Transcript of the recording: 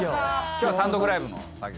今日は単独ライブの作業。